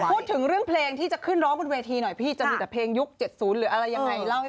พูดถึงเรื่องเพลงที่จะขึ้นร้องบนเวทีหน่อยพี่จะมีแต่เพลงยุค๗๐หรืออะไรยังไงเล่าให้